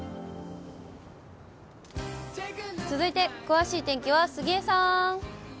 続いて、詳しい天気は杉江さん。